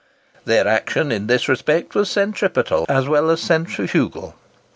Their action, in this respect, was centripetal as well as centrifugal.